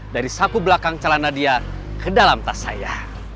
dari saku belakang calon nadia ke dalam tas saya